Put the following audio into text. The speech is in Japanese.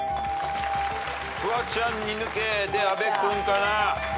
フワちゃん２抜けで阿部君かな。